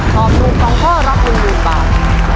ตอบถูก๒ข้อรับถูก๑๐๐๐๐๐๐บาท